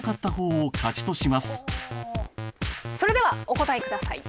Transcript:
それではお答えください。